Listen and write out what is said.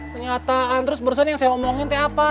kenyataan terus barusan yang saya omongin kayak apa